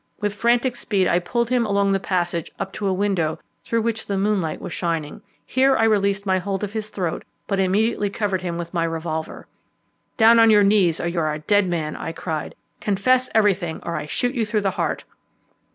With frantic speed I pulled him along the passage up to a window, through which the moonlight was shining. Here I released my hold of his throat, but immediately covered him with my revolver. "Down on your knees, or you are a dead man!" I cried. "Confess everything, or I shoot you through the heart."